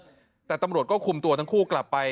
สุดท้ายตำรวจสระบุรีช่วยสกัดจับหน่อย